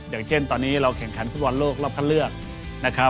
อย่างเช่นตอนนี้เราแข่งขันฟุตบอลโลกรอบคันเลือกนะครับ